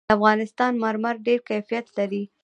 د افغانستان مرمر ډېر کیفیت لري.